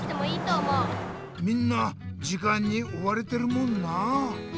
みんな時間におわれてるもんなあ。